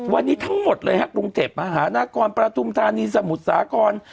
วันนี้ทั้งหมดเลยฮะพรุ่งเจ็บมาหานากรประตุ้มธานีสมุดสากร